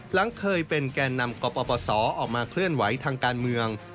หลังเคยเป็นแก่นำกปศออกมาเคลื่อนไหวทางการเมือง